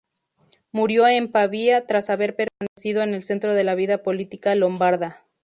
Murió en Pavía, tras haber permanecido en el centro de la vida política lombarda.